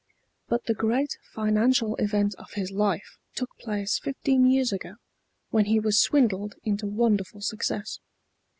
But the great financial event of his life took place fifteen years ago, when he was swindled into wonderful success.